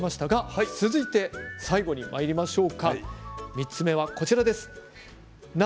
３つ目は、こちらです。